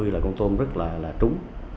là con tôm rất là trúng